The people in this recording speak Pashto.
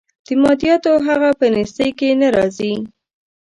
د مادیاتو هغه په نیستۍ کې نه راځي.